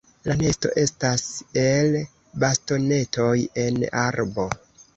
La nesto estas el bastonetoj en arbo.